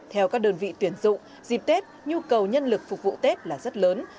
theo các đơn vị tuyển dụng dịp tết nhu cầu nhân lực phục vụ tết là rất lớn